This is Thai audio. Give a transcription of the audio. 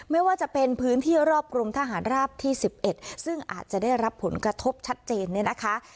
ไม่ว่าจะเป็นพื้นที่รอบกรมทหารราบที่๑๑ซึ่งอาจจะได้รับผลกระทบชัดเจนเนี่ยนะคะ